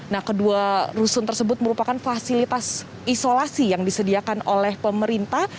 nah kedua rusun tersebut merupakan fasilitas isolasi yang disediakan oleh pemerintah